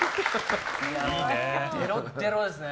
デロッデロですね。